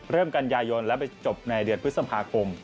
เริ่มกันยายนและไปจบในเดือนพฤษภาคม